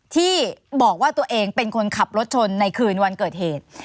ที่บอกว่าตัวเองเป็นคนขับรถชนในคืนวันเกิดเหตุ